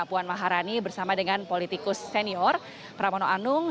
puan maharani bersama dengan politikus senior pramono anung